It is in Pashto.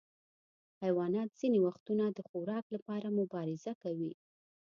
حیوانات ځینې وختونه د خوراک لپاره مبارزه کوي.